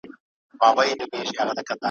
محتسب وړی قلم له نجونو ,